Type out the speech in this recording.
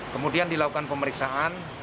kemudian dilakukan pemeriksaan